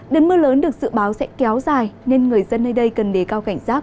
đợt mưa lớn được dự báo sẽ kéo dài nên người dân nơi đây cần đề cao cảnh giác